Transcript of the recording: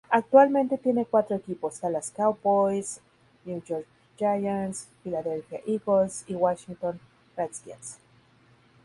Actualmente tiene cuatro equipos: Dallas Cowboys, New York Giants, Philadelphia Eagles y Washington Redskins.